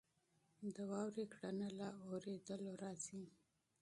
د واورې کړنه له اورېدلو راځي.